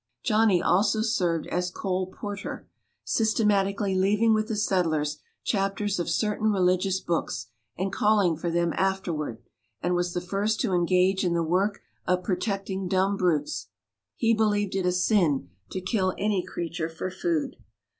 Johnny also served as colporteur, systematically leaving with the settlers chapters of certain religious books, and calling for them afterward; and was the first to engage in the work of protecting dumb brutes. He believed it a sin to kill any creature for food.